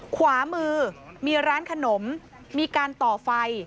ขวามือมีร้านขนมมีการต่อไฟ